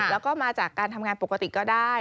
แล้วก็มาจากการทำงานปกติก็ได้